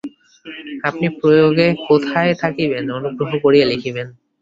আপনি প্রয়াগে কোথায় থাকিবেন, অনুগ্রহ করিয়া লিখিবেন।